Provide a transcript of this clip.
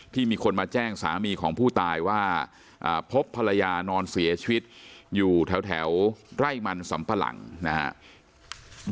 มีคนมาแจ้งสามีของผู้ตายว่าพบภรรยานอนเสียชีวิตอยู่แถวไร่มันสำปะหลังนะครับ